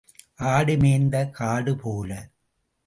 ஆடு மேய்ந்த காடு போல.